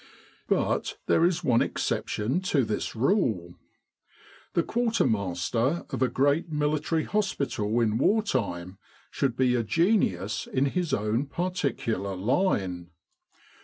But there is one exception to this rule. The quarter master of a great military hospital in war time should be a genius in his own particular line.